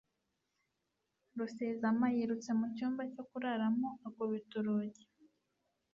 Rusizama yirutse mu cyumba cyo kuraramo akubita urugi